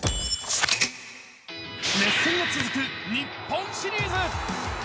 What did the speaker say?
熱戦が続く日本シリーズ。